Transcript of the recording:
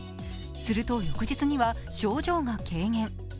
すると、翌日には症状が軽減。